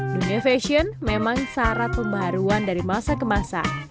dunia fashion memang syarat pembaruan dari masa ke masa